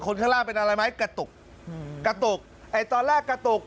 ข้างล่างเป็นอะไรไหมกระตุกอืมกระตุกไอ้ตอนแรกกระตุก